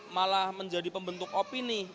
malah menjadi pembentuk opini